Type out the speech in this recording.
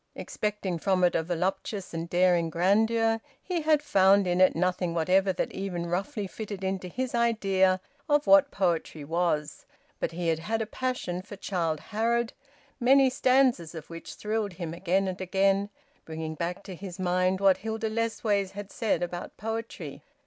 Expecting from it a voluptuous and daring grandeur, he had found in it nothing whatever that even roughly fitted into his idea of what poetry was. But he had had a passion for "Childe Harold," many stanzas of which thrilled him again and again, bringing back to his mind what Hilda Lessways had said about poetry.